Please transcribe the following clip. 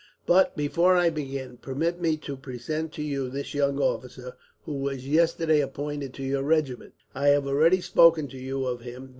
"But before I begin, permit me to present to you this young officer, who was yesterday appointed to your regiment. I have already spoken to you of him.